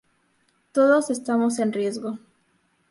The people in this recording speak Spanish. Todos estamos en riesgo.